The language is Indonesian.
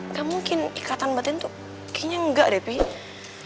nggak mungkin ikatan batin tuh kayaknya nggak deh pi